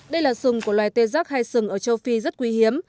đây là xưng của loài tê rác hay xưng ở châu phi rất quý hiếm